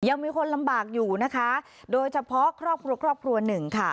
ยังมีคนลำบากอยู่นะคะโดยเฉพาะครอบครัวครอบครัวหนึ่งค่ะ